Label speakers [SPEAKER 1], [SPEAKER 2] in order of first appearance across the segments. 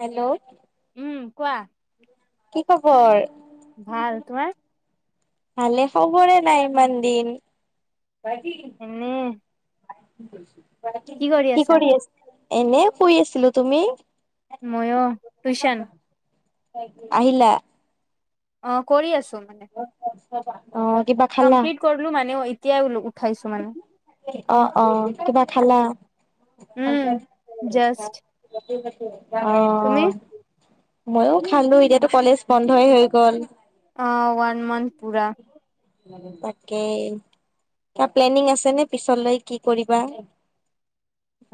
[SPEAKER 1] Hello.
[SPEAKER 2] উম কোৱা।
[SPEAKER 1] কি খবৰ?
[SPEAKER 2] ভাল, তোমাৰ?
[SPEAKER 1] ভালে, খবৰে নাই ইমান দিন!
[SPEAKER 2] এনে
[SPEAKER 1] কি কৰি আছা? এনে শুই আছিলো, তুমি?
[SPEAKER 2] ময়ো টিউচন।
[SPEAKER 1] আহিলা?
[SPEAKER 2] অঁ কৰি আছো মানে।
[SPEAKER 1] অহ কিবা খালা
[SPEAKER 2] কামপ্লিট কৰিলো মানেও এতিয়া উঠাইছো মানে।
[SPEAKER 1] অঁ অহ, কিবা খালা?
[SPEAKER 2] উম জাষ্ট তুমি
[SPEAKER 1] অহ। মইয়ো খালো, এতিয়াতো কলেজ বন্ধই হৈ গ'ল।
[SPEAKER 2] অঁ ওৱান মান্থ পোৰা।
[SPEAKER 1] তাকেই, কিবা প্লেনিং আছে নে পিছলৈ কি কৰিবা?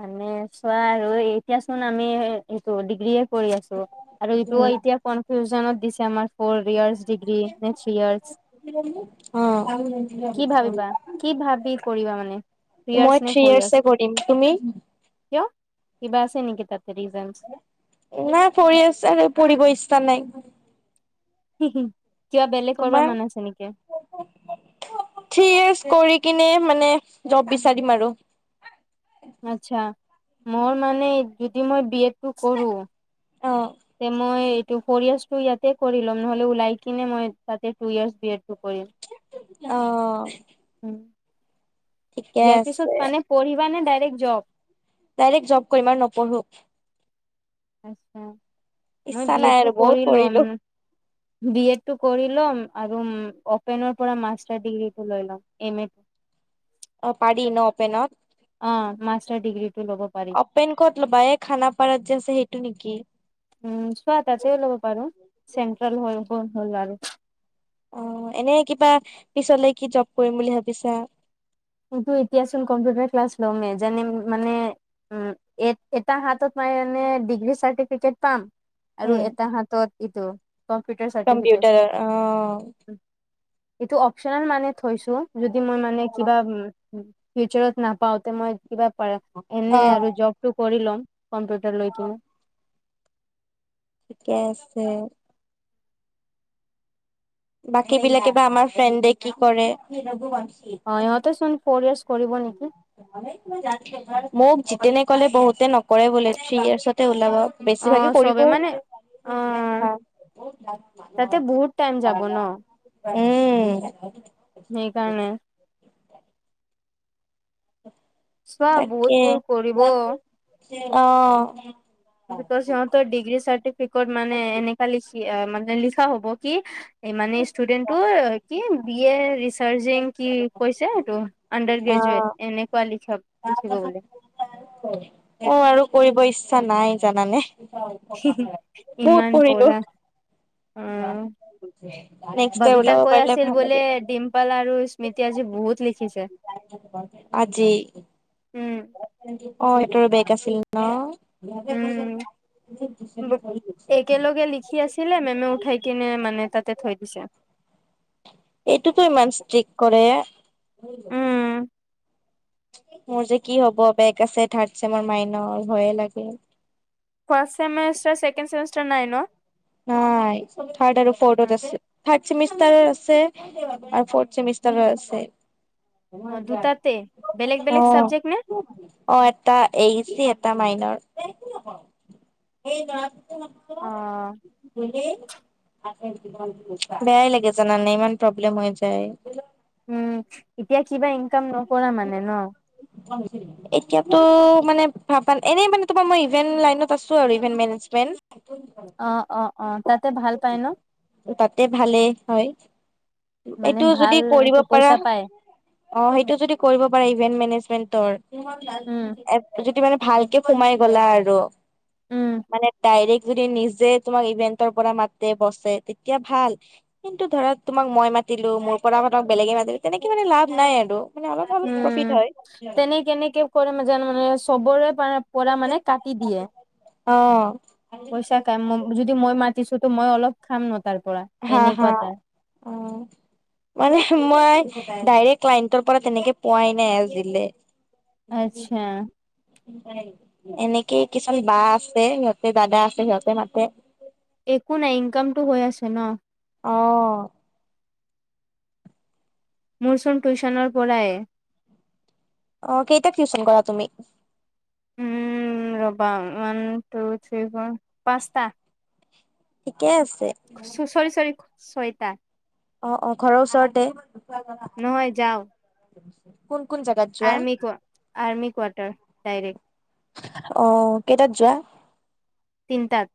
[SPEAKER 2] মানে চোৱা আৰু এতিয়া চোন আমি এইটো ডিগ্ৰীয়ে কৰি আছো, আৰু এইটোও এতিয়া কনফিউজনত দিছে আমাৰ ফৌৰ ইয়াৰছ ডিগ্ৰী নে থ্ৰী ইয়াৰছ।
[SPEAKER 1] অঁহ। মই
[SPEAKER 2] ভাবিবা কি ভাবি
[SPEAKER 1] থ্ৰী
[SPEAKER 2] কৰিবা মানে
[SPEAKER 1] ইয়াৰ্চে
[SPEAKER 2] থ্ৰী ইয়াৰ্চ নে ফ'ৰ ইয়াৰ্চ
[SPEAKER 1] কৰিম, তুমি?
[SPEAKER 2] কিয়? কিবা আছে নেকি তাতে ৰিজনছ?
[SPEAKER 1] নাই ফৌৰ ইয়াৰচ আৰু পঢ়িব ইচ্ছা নাই।
[SPEAKER 2] কিবা বেলেগ কৰিব
[SPEAKER 1] তোমাৰ
[SPEAKER 2] মন আছে নেকি?
[SPEAKER 1] থ্ৰী ইয়েচ কৰি কিনে মানে, জব বিচাৰিম আৰু।
[SPEAKER 2] আচ্ছা, মোৰ মানে যদি মই বি এড টো কৰো
[SPEAKER 1] অ
[SPEAKER 2] তে মই ফৌৰ ইয়াৰ্চটো ইয়াতে কৰি লম, নহ'লে ওলাই কিনে মই তাতে টু ইয়াৰ্চ বি এডটো কৰিম।
[SPEAKER 1] অঁ।
[SPEAKER 2] উম, ইয়াৰ
[SPEAKER 1] আছে
[SPEAKER 2] পিছত মানে পঢ়িবা নে ডাইৰেক্ট জব?
[SPEAKER 1] ডাইৰেক্ট জব কৰিম আৰু নপঢ়ো।
[SPEAKER 2] আছা, মই
[SPEAKER 1] ইচ্ছা
[SPEAKER 2] বি
[SPEAKER 1] নাই আৰু
[SPEAKER 2] এডটো
[SPEAKER 1] বহুত
[SPEAKER 2] কৰি
[SPEAKER 1] পঢ়িলো
[SPEAKER 2] ল'ম। বি এড টো কৰি ল'ম, আৰু অপেনৰ পৰা মাষ্টাৰ ডিগ্ৰী টো লৈ ল'ম। এমে
[SPEAKER 1] অ', পাৰি ন' অপেনত?
[SPEAKER 2] অ', মাষ্টাৰ ডিগ্ৰী টো ল'ব পাৰি।
[SPEAKER 1] পেন ক'ত ল'বা, এই খানাপাৰাত যে আছে, সেইটো নেকি?
[SPEAKER 2] উম, চোৱা ততে ল'ব পাৰোঁ, চেন্ট্ৰেল হৈ গ'ল আৰু।
[SPEAKER 1] অ', এনে কিবা, পিছলে কি জব কৰিম বুলি ভাবিছা?
[SPEAKER 2] কিন্তু এতিয়া চোন কম্পিউটাৰ ক্লাছ ল'মে, যেনে, মানে উম, এ এটা হাতত মানে এনে ডিগ্ৰী চাৰ্টিফিকেট পাম। আৰু
[SPEAKER 1] উম
[SPEAKER 2] এটা হাতত এইটো, কম্পিউটাৰ চাৰ্টিফিকেট
[SPEAKER 1] কম্পউটাৰ অ'।
[SPEAKER 2] এইটো অপচনেল মানে থৈছোঁ, যদি মই মানে কিবি উম, ফিউচাৰত নাপাওঁতে মই কিবা পাৰা,
[SPEAKER 1] অ
[SPEAKER 2] এনে আৰু জব টো কৰি ল'ম, কম্পিউটাৰ লৈ কিনে।
[SPEAKER 1] ঠিকে আছে। বাকী বিলাকে বা আমাৰ ফ্ৰিয়েন্দে কি কৰে।
[SPEAKER 2] অ', সিহঁতে চোন ফ'ৰ ইয়াৰ্চ কৰিব নেকি।
[SPEAKER 1] মোক যিতেনে ক'লে বহুতে নকৰে বোলে থ্ৰী ইয়াৰ্চতে ওলাব।
[SPEAKER 2] অ
[SPEAKER 1] বেছিভাগে
[SPEAKER 2] চবে
[SPEAKER 1] কৰিবও।
[SPEAKER 2] মানে অ তাতে বহুত টাইম যাব ন
[SPEAKER 1] [unintelligible] উম।
[SPEAKER 2] সেইকাৰণে।
[SPEAKER 1] উ [unintelligible]
[SPEAKER 2] চোৱা, বহুত ভুল কৰিব।
[SPEAKER 1] অ'।
[SPEAKER 2] ইহঁতৰ, সিহঁতৰ ডিগ্ৰী চাৰ্টিফিকেট মানে এনেকা লিখি মানে লিখা হ'ব, কি এই মানে ষ্টুডেণ্টটো কি, বি এ ৰিচাৰ্চিং কি কৈছে হেইটো। আণ্ডাৰ
[SPEAKER 1] অ
[SPEAKER 2] গ্ৰেজুৱেট, এনেকুৱা লিখ লিখিব বোলে।
[SPEAKER 1] হয়। অ', আৰু কৰিব ইচ্ছা নাই, জানানে। বহুত
[SPEAKER 2] ইমান
[SPEAKER 1] পঢ়িলোঁ।
[SPEAKER 2] পঢ়া অ
[SPEAKER 1] নেক্সট টাইম ওলাব পাৰিলে ভাল লাগে।
[SPEAKER 2] পাল আৰু স্মৃতি আজি বহুত লিখিছে।
[SPEAKER 1] আজি,
[SPEAKER 2] উম
[SPEAKER 1] অ', এটোৰ বেগ আছিল। ন'
[SPEAKER 2] উম
[SPEAKER 1] [unintelligible]
[SPEAKER 2] কি আছিলে, মেমে উঠাই কিনে মানে তাতে থৈ দিছে।
[SPEAKER 1] এইটোতো ইমান ষ্টিক কৰে।
[SPEAKER 2] উম
[SPEAKER 1] মোৰ যে কি হ'ব, বেগ আছে থাৰ্ড চেমৰ মাইনৰ, ভয়ে লাগে।
[SPEAKER 2] ফাষ্ট ছেমিষ্টাৰ, চেকেণ্ড চেমিষ্টাৰ নাই ন'?
[SPEAKER 1] নাই, থাৰ্ড আৰু ফ'ৰ্ডত
[SPEAKER 2] ন
[SPEAKER 1] আছে। থাৰ্ড ছেমিষ্টাৰৰ আছে, আৰু ফৰ্থ ছেমিষ্টাৰৰ আছে।
[SPEAKER 2] অ দুটাতে বেলেগ বেলেগ
[SPEAKER 1] অ'।
[SPEAKER 2] চাবজেক্ট নে?
[SPEAKER 1] অ', এটা [unintelligible] এটা মাইনৰ।
[SPEAKER 2] অ'।
[SPEAKER 1] বেয়াই লাগে জানানে ইমান প্ৰব্লেম হৈ যায়।
[SPEAKER 2] উম, এতিয়া কিবা ইনকাম নকৰা মানে ন।
[SPEAKER 1] অ [unintelligible] এতিয়াতো মানে ভাবান এনেই মানে তোমাৰ মই ইভেন্ট লাইনত আছো, আৰু ইভেন্ট মেনেজমেন্ট।
[SPEAKER 2] অ, অ, অ, তাতে ভাল পায় ন?
[SPEAKER 1] তাতে ভালেই হয়।
[SPEAKER 2] মানে
[SPEAKER 1] এইটো যদি
[SPEAKER 2] ভাল
[SPEAKER 1] কৰিব
[SPEAKER 2] এইটো
[SPEAKER 1] পাৰা
[SPEAKER 2] পইচা পায়।
[SPEAKER 1] অ, সেইটো যদি কৰিব পাৰে, ইভেন্ট মেনেজমেন্টৰ
[SPEAKER 2] উম
[SPEAKER 1] এ যদি মানে ভালকে সোমাই গ'লা আৰু
[SPEAKER 2] উম
[SPEAKER 1] মানে ডাইৰেক্ট, যদি নিজে তোমাক ইভেন্টৰ পৰা মাতে বছে। তেতিয়া ভাল কিন্তু ধ তোমাক মই মাতিলো মোৰ পৰা মাতক বেলেগে মাতিলো তেনেকে মানে লাভ নাই আৰু। মানে অলপ, অলপ প্ৰফিট হয়।
[SPEAKER 2] সি কেনেক কৰিম যেন মানে চবৰে পাৰাত পৰা মানে কাটি দিয়ে,
[SPEAKER 1] অ
[SPEAKER 2] পইচা কাম [unintelligible] যদি মই মাতিছো তো মই অলপ খাম ন তাৰ পৰা।
[SPEAKER 1] হা, হা,
[SPEAKER 2] এনেকুৱা তাৰ।
[SPEAKER 1] উম। মানে মই ডাইৰেক্ট ক্লাইণ্টৰ পৰা তেনেকে পোৱাই নাই আজিলে।
[SPEAKER 2] আচ্ছা
[SPEAKER 1] [unintelligible] এনেকে কিছুমান বা আছে সিহঁতে দাদা আছে সিহঁতে মাতে।
[SPEAKER 2] একো নাই ইনকামটো হৈ আছে ন।
[SPEAKER 1] অ',
[SPEAKER 2] মোৰচোন টিউশনৰ পৰাই
[SPEAKER 1] অ, কেইটাক টিউচন কৰা তুমি?
[SPEAKER 2] উম, ৰবা। ওৱান, টু, ট্ৰী, ফৰ পাঁচটা।
[SPEAKER 1] ঠিকে আছে।
[SPEAKER 2] ছৰি, ছৰি, ছয়তা।
[SPEAKER 1] অ, অ, ঘৰৰ ওচৰতে।
[SPEAKER 2] নহয় যাও।
[SPEAKER 1] কোন, কোন জাগাত?
[SPEAKER 2] আৰ্মি ক আৰ্মি কোৱাৰটাৰ ডাইৰেক্ট।
[SPEAKER 1] অ, কেইটাত যোৱা?
[SPEAKER 2] তিনিটাত।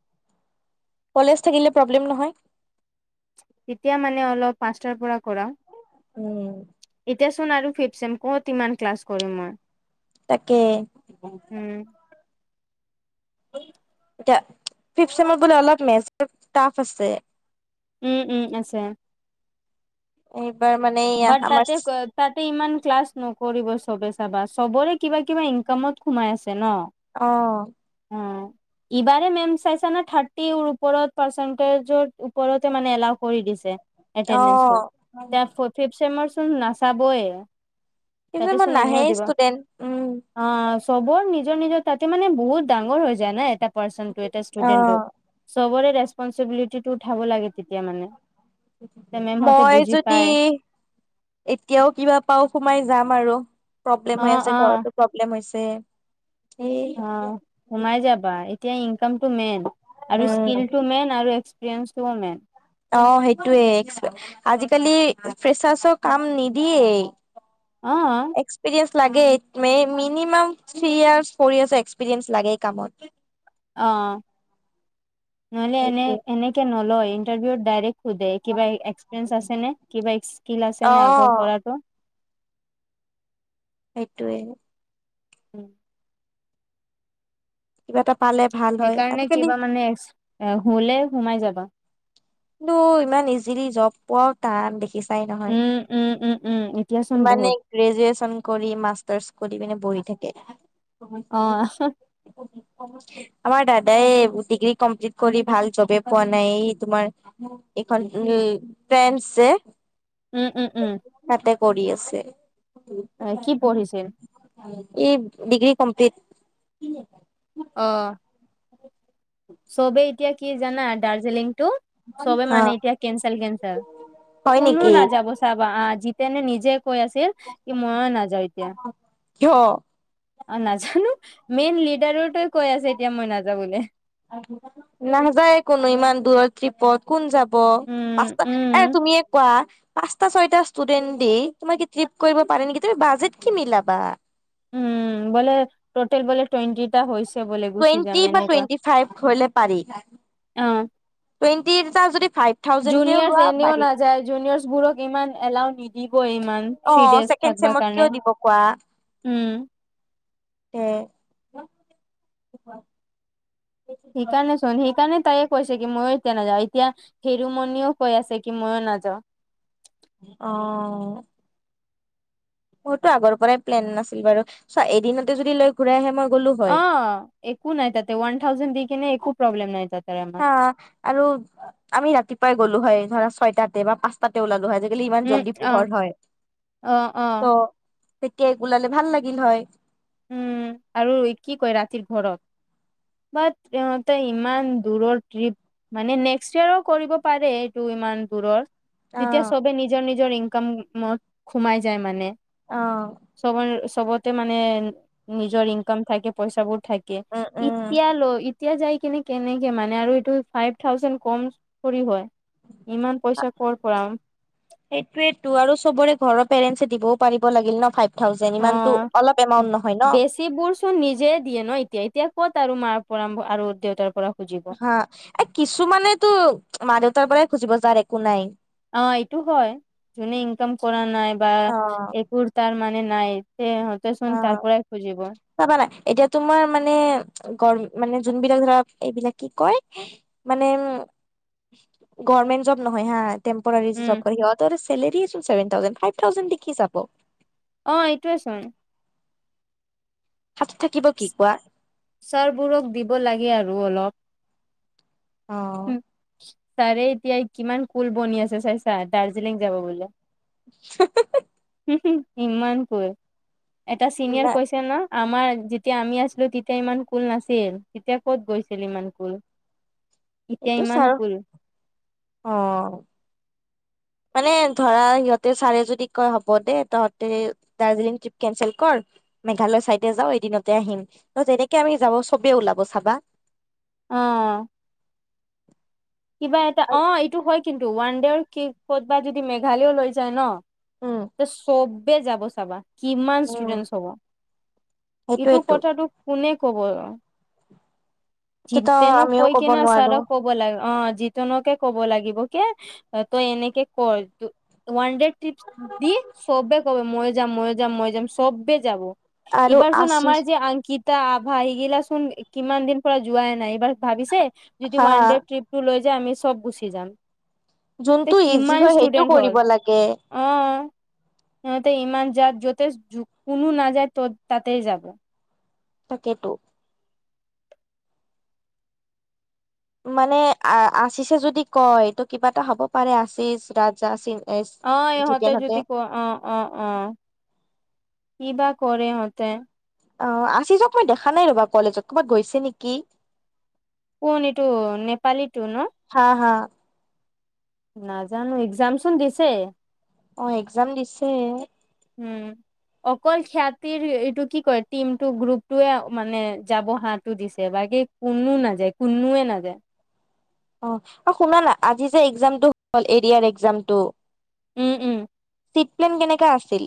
[SPEAKER 1] কলেজ থাকিলে প্ৰব্লেম নহয়।
[SPEAKER 2] তেতিয়া মানে অলপ পাঁচটাৰ পৰা কৰা।
[SPEAKER 1] উম।
[SPEAKER 2] এতিয়াচোন আৰু ফিফ চেম কত ইমান ক্লাছ কৰিম মই।
[SPEAKER 1] তাকে।
[SPEAKER 2] উম।
[SPEAKER 1] এটা ফিফ ছেমৰ পৰা অলপ মেছটো টাফ আছে।
[SPEAKER 2] উম, উম, আছে।
[SPEAKER 1] এইবাৰ মানে এইয়া
[SPEAKER 2] বাত
[SPEAKER 1] আমাৰ
[SPEAKER 2] তাতে ক তাতে ইমান ক্লাছ নকৰিব চবে চাবা, চবৰে কিবা, কিবা ইনকামত সোমাই আছে ন'?
[SPEAKER 1] অ,
[SPEAKER 2] অ ইবাৰে মেম চাইচা নে, থাৰ্টিৰ ওপৰত পাৰ্চেন্তেজৰ ওপৰতে মানে এলাও কৰি দিছে।
[SPEAKER 1] অ
[SPEAKER 2] এটেনদেন্সটো, এতিয়া ফৰ্থ ফিফ চেমৰ চোন নাচাবই।
[SPEAKER 1] ফিফথ চেমত নাহেই ষ্টুডেন্ট, উম।
[SPEAKER 2] অঁ, চবৰ নিজৰ নিজৰ তাতে মানে বহুত ডাঙৰ হৈ যায় নাই এটাত পাৰ্চেণ্টটো এতিয়া
[SPEAKER 1] অ
[SPEAKER 2] ষ্টুডেণ্টো, চবৰে ৰেস্পঞ্চিবিলিটো উঠাব লাগে তেতিয়া মানে। তে মেমহঁতে
[SPEAKER 1] মই
[SPEAKER 2] বুজি
[SPEAKER 1] যদি
[SPEAKER 2] পায়
[SPEAKER 1] এতিয়াও কিবা পাওঁ সোমাই যাম আৰু প্ৰব্লেম
[SPEAKER 2] অ
[SPEAKER 1] হৈ আছে
[SPEAKER 2] অ
[SPEAKER 1] ঘৰতো প্ৰব্লেম হৈছে। এই
[SPEAKER 2] অঁ, সোমাই যাবা এতিয়া ইনকামটো মেইন আৰু
[SPEAKER 1] উম
[SPEAKER 2] স্কিলটো মেইন। আৰু এক্সপিৰিয়েন্সটোও মেইন।
[SPEAKER 1] অঁ, সেইটোৱে এক্স আজিকালি ফ্ৰেচাৰছৰ কাম নিদিয়েই।
[SPEAKER 2] অ
[SPEAKER 1] এক্সপিৰিয়েন্স লাগেই মে minimum three years four years experience লাগেই কামত।
[SPEAKER 2] অঁ, নহলে এনে
[SPEAKER 1] সেইটোৱে
[SPEAKER 2] এনেকে নলয় ইণ্টাৰভিউত ডাইৰেক্ট কিবা এক্সপৰিেঞ্চ আছে নে, কিবা স্কিল আছে
[SPEAKER 1] অ
[SPEAKER 2] নে আগৰ কৰাটো?
[SPEAKER 1] সেইটোৱে।
[SPEAKER 2] উম।
[SPEAKER 1] কিবা এটা পালে ভাল হয়
[SPEAKER 2] সেইকাৰণে
[SPEAKER 1] আজিকালি
[SPEAKER 2] কিবা মানে এক্স হ'লে সোমাই যাবা।
[SPEAKER 1] কিন্তু ইমান ইজিলি জব পোৱাও টান, দেখি চাই নহয়,
[SPEAKER 2] উম উম উম উম এতিয়াচোন বহুত
[SPEAKER 1] ইমানে গ্ৰেজুৱেচন কৰি মাষ্টাৰ্চ কৰি পিনে বহি থাকে।
[SPEAKER 2] অ',
[SPEAKER 1] আমাৰ দাদাই ডিগ্ৰী কমপ্লিট কৰি ভাল জবে পোৱা নাই ই তোমাৰ এখন উম, প্ৰেনস যে
[SPEAKER 2] উম উম উম।
[SPEAKER 1] তাতে কৰি আছে।
[SPEAKER 2] এ, কি পঢ়িছিল?
[SPEAKER 1] ই ডিগ্ৰী কমপ্লিট।
[SPEAKER 2] অ। চবে এতিয়া কি জানা দাৰ্জিলিংটো চবে
[SPEAKER 1] অ
[SPEAKER 2] মানে এতিয়া কেনঞ্চেল কেনঞ্চেল
[SPEAKER 1] হয়
[SPEAKER 2] কোনো
[SPEAKER 1] নেকি
[SPEAKER 2] নাযাব। চাবা, আহ‍ঁ জিতেনে নিজে কৈ আছিল কি মই নাযাওঁ এতিয়া।
[SPEAKER 1] কিয়
[SPEAKER 2] অঁ, নাজানো মেইন লিডাৰতোৱে কৈ আছে এতিয়া মই নাযাওঁ বুলি।
[SPEAKER 1] নাযায় কোনো ইমান দূৰৰ ট্ৰিপত, কোন যা ব,
[SPEAKER 2] উম,
[SPEAKER 1] পাঁচটা এ‌
[SPEAKER 2] উম,
[SPEAKER 1] তুমিয়ে কোৱা পাঁচটা ছয়টা ষ্টুডেণ্ট দি তোমাৰ কি ট্ৰিপ কৰিব পাৰে নেকি, তুমি বাজেট কি মিলাবা?
[SPEAKER 2] উম, বলে ট'টেল বলে টুৱেণ্টিটা হৈছে বোলে গুচি
[SPEAKER 1] টুৱেণ্টি
[SPEAKER 2] যাম
[SPEAKER 1] বা
[SPEAKER 2] এনেকুৱা,
[SPEAKER 1] টুৱেণ্টি ফাইভ হলে
[SPEAKER 2] অঁ।
[SPEAKER 1] টুৱেণ্টি টা যদি ফাইভ থাউজেণ্ড কেও লোৱা
[SPEAKER 2] জুনিয়ৰছ এনেও
[SPEAKER 1] পাৰি
[SPEAKER 2] নাযায় জুনিয়ৰছ বোৰক ইমান এলাও নি দিব ইমান
[SPEAKER 1] অ
[SPEAKER 2] থ্ৰি ডেজ
[SPEAKER 1] ছেকেণ্ড
[SPEAKER 2] থাকব
[SPEAKER 1] চেমত
[SPEAKER 2] কাৰণে,
[SPEAKER 1] কিয় দিব কোৱা
[SPEAKER 2] উম।
[SPEAKER 1] [inaudible]
[SPEAKER 2] সেইকাৰণে চোন সেই কাৰকাৰণে তাইয়ে কৈছে কি মই এতিয়া নাযাওঁ। এতিয়া হিৰুমণিও কৈ আছে কি মইও নাযাওঁ।
[SPEAKER 1] অঁ। মোৰতো আগৰ পৰাই প্লেন নাছিল বাৰু, চোৱা এদিনতে যদি লৈ ঘূৰাই আহে মই গলো। হয়
[SPEAKER 2] অঁ, একো নাই তাতে অয়ান থাউজেণ্ড দি কিনে একো নাই তাতে। আমাৰ
[SPEAKER 1] আ', আৰু আমি ৰাতিপুৱাই গ'লো হয়, ধৰা ছয়টাতে পাচ তাতে ওলালো হয়, আজিকালি ইমান
[SPEAKER 2] উম
[SPEAKER 1] জল্দি
[SPEAKER 2] অ
[SPEAKER 1] পোহৰ হয়,
[SPEAKER 2] অ অ
[SPEAKER 1] ত' তেতিয়াই ওলালে ভাল লাগিল হয়।
[SPEAKER 2] উম, আৰু কি কয় ৰাতিৰ ঘৰত। বাট তই ইমান দূৰৰ ট্ৰিপ। মানে নেক্সট ইয়েৰো কৰিব পাৰে এইটো ইমান দূৰৰ।
[SPEAKER 1] অ
[SPEAKER 2] তেতিয়া চ'বে নিজৰ নিজৰ ইনকামত সোমাই যায় মানে।
[SPEAKER 1] অ
[SPEAKER 2] চ'ব চ'বতে মানে নিজৰ ইনকাম থাকে পইচাাবোৰ। থাকে,
[SPEAKER 1] উম উম
[SPEAKER 2] এতিয়া লৈ ইত এতিয়া যাই কিনে কেনেকে মানে আৰু এইটো ফাইভ থাউজেড কম কৰি হোৱা। ইমান পইচা কৰ' পৰা।
[SPEAKER 1] সেইটোয়েটো আৰু চবৰে ঘৰৰ পেৰেণ্ট দিবও পাৰিব লাগিল ন ফাই থাউজেণ্ড ইমানটো অলপ এমাউণ্ট নহয় ন।
[SPEAKER 2] টি বোৰ চোন নিজে দিয়ে ন এতিয়া, এতিয়া ক'ত আৰু মাৰ পৰা আৰু দেউতাৰ পৰা খুজিব। অ',
[SPEAKER 1] হা, এ, কিছুমানেটো মা-দেউতাৰ পৰাই খুজিব যাৰ একো নাই।
[SPEAKER 2] অ', এইটো হয়, যোনে ইনকাম কৰা নাই বা
[SPEAKER 1] অ
[SPEAKER 2] একো তাৰ মানে নাই,
[SPEAKER 1] অ
[SPEAKER 2] সিহতেচোন তাৰ পৰাই খুজিব।
[SPEAKER 1] চাবা না, তোমাৰ মানে গ- মানে যোনবিলাক ধৰা কি কয়? মানে উম, গমেন্ট জব নহয় হা। টেম্পুয়াৰী
[SPEAKER 2] উম,
[SPEAKER 1] জব সিহঁতৰ চেলেৰী চোন চেভেন থাউজেণ্ড, ফাব্ৰ থাউজেণ্ড দি কি যাব।
[SPEAKER 2] অ', এইটোয়ে চোন।
[SPEAKER 1] হাত থাকিব কি কোৱা।
[SPEAKER 2] চাৰবোৰক দিব লাগে আৰু অলপ।
[SPEAKER 1] অ'।
[SPEAKER 2] ছাৰে এতিয়া কিমান কুল বনি আছে চাই ছা, দাৰ্জিলিং যাব বোলে।
[SPEAKER 1] হ
[SPEAKER 2] ইমানকৈ কোল, এটা
[SPEAKER 1] না
[SPEAKER 2] চিনিয়ৰ কৈছে ন। আমাৰ, যেতিয়া আমি আছিলো তেতিয়া ইমান কুল নাছিল, তেতিয়া ক'ত গৈছিল ইমান কুল। এতিয়া
[SPEAKER 1] এইটো
[SPEAKER 2] ইমান
[SPEAKER 1] ছাৰ,
[SPEAKER 2] কুল
[SPEAKER 1] অ'। মানে ধৰা সিহঁতে চাৰে যদি কয়, হ'ব দে তহঁতে দাৰ্জিলিং ট্ৰিপ কেনচেল কৰ। মেঘালয় চাইডে যাও, এদিনতে আহিম। ত' তেনেকে আমি যাব চ'বে ওলাব চাবা।
[SPEAKER 2] অ'। কিবা এটা অ', এইটো হয় কিন্তু। ওৱান দেৰ কি'তবা যদি মেঘালয়ও লৈ যায় ন।
[SPEAKER 1] উম
[SPEAKER 2] ত' চবেই যাব চাবা। কিমান
[SPEAKER 1] উম,
[SPEAKER 2] ষ্টুডেন্ট হ'ব, এইটো
[SPEAKER 1] সেইটোয়েতো
[SPEAKER 2] কথাটো কোনে ক'ব?
[SPEAKER 1] এতিয়াতো
[SPEAKER 2] জিতেনক
[SPEAKER 1] আমিও
[SPEAKER 2] কৈ
[SPEAKER 1] ক'ব
[SPEAKER 2] কিন
[SPEAKER 1] নোৱাৰো
[SPEAKER 2] চাৰক ক'বৰ লাগ অ', জিতনকে ক'ব লাগিব, কে তই এনেকে কৰ, ওৱান দি চ'বে ক'ব, মই যাম, মই যাম, মই যাম চ'বে যাব।
[SPEAKER 1] আৰু
[SPEAKER 2] ইবাৰ চোন আমাৰ
[SPEAKER 1] আশিস
[SPEAKER 2] যে আংকিত। তা আভা হিগিলা চোন কিমান দিন পৰা যোৱাই নাই, এইবাৰ ভাবিছে, যদি
[SPEAKER 1] হা
[SPEAKER 2] ওৱান ট্ৰিপ টো লৈ যা আমি চ'ব গুচি যাম। তে
[SPEAKER 1] যোনটো ইজি
[SPEAKER 2] কিমান
[SPEAKER 1] হয়, সেইটো
[SPEAKER 2] ষ্টুডেন্ট হ'ল
[SPEAKER 1] কৰিব লাগে।
[SPEAKER 2] অ', সিহঁতে ইমান যাত য'তে কোনো নাযায়, ত'ত তাতেই যাব।
[SPEAKER 1] তাকে তো। মানে আ-আছিছে যদি কয়, তো কিবা এটা হ'ব পাৰে, আছিচ ৰাজা চি
[SPEAKER 2] অহ ইহঁতে যদি ক অ অ অ কি বা কৰে ইহঁতে?
[SPEAKER 1] অ আচিচক মই দেখা নাই ৰবা কলেজত, কবাত গৈছে নেকি!
[SPEAKER 2] কোন এইটো নেপালীটো ন?
[SPEAKER 1] চা হা
[SPEAKER 2] নাজানো এক্জাম চোন দিছে।
[SPEAKER 1] অ এক্জাম দিছে।
[SPEAKER 2] উম। অকল খ্যাতিৰ এইটো কি কয় টিমটো গ্ৰুপটোৱে মানে যাব হাটো দিছে বাকী কোন্নো নাযায় কোন্নোয়ে নাযায়।
[SPEAKER 1] অ শুনা না আজি যে এক্জামটো হল এৰিয়াৰ এক্জামটো
[SPEAKER 2] উম উম।
[SPEAKER 1] চিট প্লেন কেনেকা আছিল?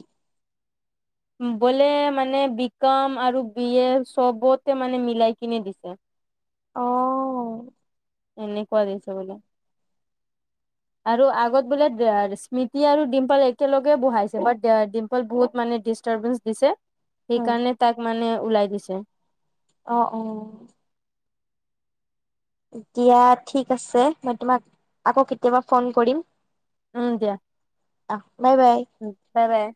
[SPEAKER 2] বোলে মানে বি কম আৰু বি এ চবতে মানে মিলাই কিনে দিছে।
[SPEAKER 1] অ'।
[SPEAKER 2] এনেকুৱা দিছে বোলে।
[SPEAKER 1] [inaudible]
[SPEAKER 2] আৰু আগত বোলে ড ৰ স্মৃতি আৰু ডিম্পল একেলগে বহাইছে বাট ডিম্পল বহুত মানে ডিচ টাৰ্বেঞ্চ দিছে সেইকাৰণে তাক মানে ওলাই দিছে।
[SPEAKER 1] অ অ। এতিয়া ঠিক আছে মই তোমাক আকৌ কেতিয়াবা ফোন কৰিম।
[SPEAKER 2] উম দিয়া,
[SPEAKER 1] আহ বাই বাই।
[SPEAKER 2] উম বাই বাই।